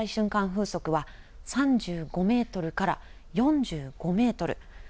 風速は３５メートルから４５メートル。